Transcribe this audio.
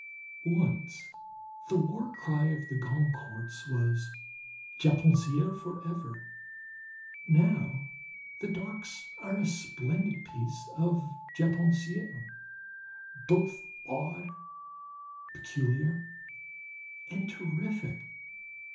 Once the war cry of the Goncourts was, "Japonaiserie for ever." Now the docks are a splendid piece of Japonaiserie, both odd, peculiar, and terrific.